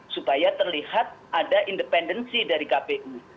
supaya terlihat ada independensi dari kpu